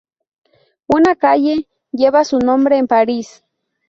Una calle lleva su nombre en París.